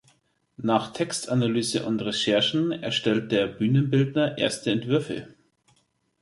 Nach Textanalyse und Recherchen erstellt der Bühnenbildner erste Entwürfe.